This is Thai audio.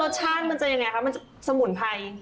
รสชาติมันจะยังไงคะมันจะสมุนไพร